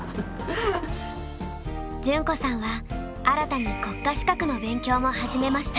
淳子さんは新たに国家資格の勉強も始めました。